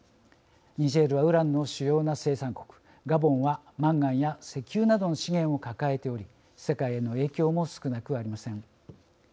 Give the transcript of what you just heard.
ニジェールはウランの主要な生産国ガボンはマンガンや石油などの資源を抱えており世界への影響も少なくありません。